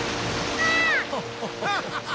ああ！